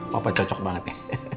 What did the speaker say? papa cocok banget ya